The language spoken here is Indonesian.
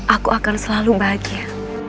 aku akan selalu bahagia